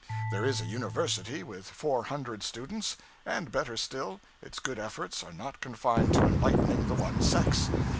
There is a university, with four hundred students and, better still, its good efforts are not confined to enlightening the one sex.